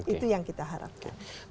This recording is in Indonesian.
itu yang kita harapkan